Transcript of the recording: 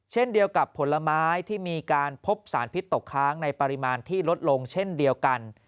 เช่นเดียวกับผลไม้ที่มีการพบสารพิษตกค้างในปริมาณที่ลดลงเช่นเดียวกัน